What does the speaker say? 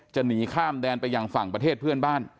หนีข้ามแดนไปยังฝั่งประเทศเพื่อนบ้าน